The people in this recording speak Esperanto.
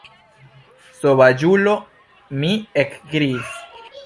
Sovaĝulo mi ekkriis.